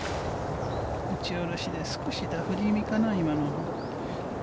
打ち下ろして、少しダフリ気味かな、今のは。